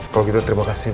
kalau gitu terima kasih